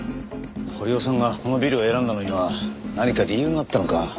堀尾さんがこのビルを選んだのには何か理由があったのか。